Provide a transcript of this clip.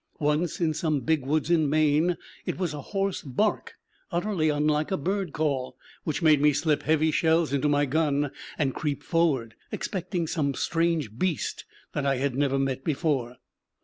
Once, in some big woods in Maine, it was a hoarse bark, utterly unlike a bird call, which made me slip heavy shells into my gun and creep forward, expecting some strange beast that I had never before met.